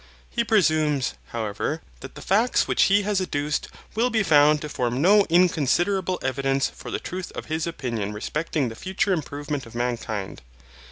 He presumes, however, that the facts which he has adduced will be found to form no inconsiderable evidence for the truth of his opinion respecting the future improvement of mankind.